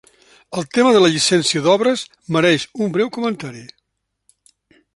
El tema de la llicència d'obres mereix un breu comentari.